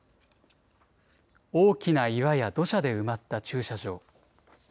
大きな岩や土砂で埋まった駐車場。